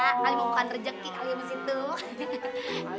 kalimupan rejeki kali ini abisin tuh